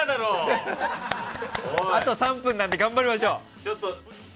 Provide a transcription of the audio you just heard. あと３分なんで頑張りましょう。